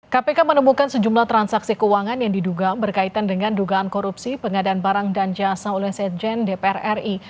kpk menemukan sejumlah transaksi keuangan yang diduga berkaitan dengan dugaan korupsi pengadaan barang dan jasa oleh sekjen dpr ri